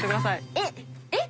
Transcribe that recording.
えっえっ？